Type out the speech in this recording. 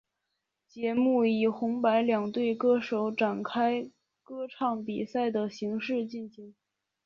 节目以红白两队歌手展开歌唱比赛的形式进行。